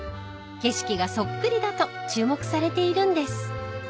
［景色がそっくりだと注目されているんです］